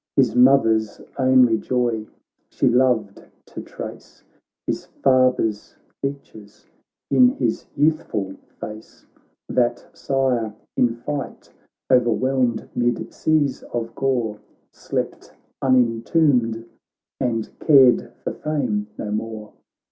His mother's only joy ; she loved to trace His father's features in his youthful face : That sire, in fight o'erwhelmed mid seas oi gore, Slept unentombed, and cared for fame no more.